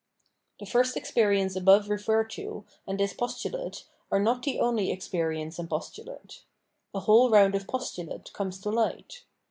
The first experience above referred to and this postu late are not the only experience and postulate ; a whole round of postulates comes to light.